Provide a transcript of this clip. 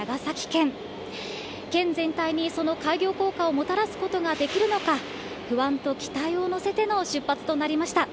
県全体にその開業効果をもたらすことができるのか、不安と期待を乗せての出発となりました。